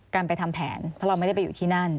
การไปทำแผนเพราะเราไม่ได้ไปอยู่ที่นั่น